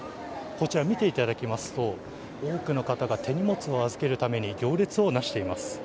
こちら見ていただきますと、多くの方が手荷物を預けるために行列をなしています。